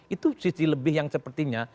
itu sisi lebih yang sepertinya